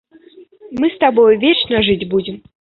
Мы з табою вечна жыць будзем.